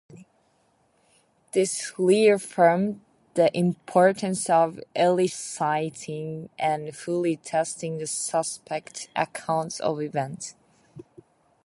This reaffirmed the importance of eliciting and fully testing the suspects’ accounts of events.